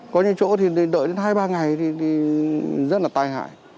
có những chỗ thì đợi đến hai ba ngày thì rất là tai hại